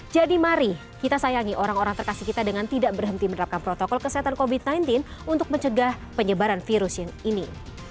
jadi mari kita sayangi orang orang terkasih kita dengan tidak berhenti menerapkan protokol kesehatan covid sembilan belas untuk mencegah penyebaran virus yang ini